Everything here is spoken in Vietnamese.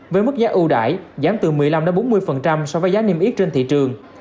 với mức giá ưu đại giảm từ một mươi năm bốn mươi so với giá niêm yết trên thị trường